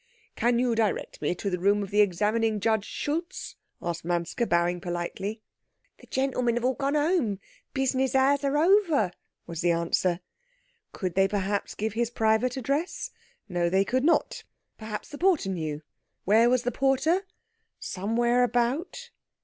"Can you direct me to the room of the Examining Judge Schultz?" asked Manske, bowing politely. "The gentlemen have all gone home. Business hours are over," was the answer. Could they perhaps give his private address? No, they could not; perhaps the porter knew. Where was the porter? Somewhere about.